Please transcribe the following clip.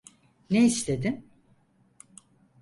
Ne istedin?